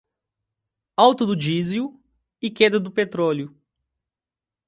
Alta do diesel e queda do petróleo